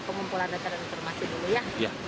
pengumpulan data dan informasi dulu ya